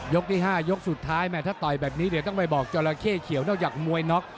ยกที่๕ยกสุดท้ายถ้าต่อยแบบนี้เดี๋ยวต้องไปบอกจอลาเค่เขียวถ้าอยากมวยน็อค